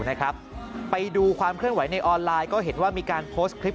นะครับไปดูความเคลื่อนไหวในออนไลน์ก็เห็นว่ามีการโพสต์คลิป